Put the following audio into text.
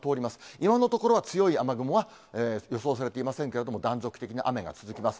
今のところは強い雨雲は予想されていませんけれども、断続的な雨が続きます。